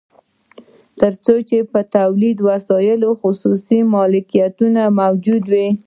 تر څو چې په تولیدي وسایلو خصوصي مالکیت موجود وي